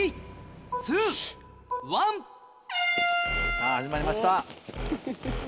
さぁ始まりました。